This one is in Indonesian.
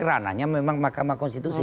ranahnya memang mahkamah konstitusi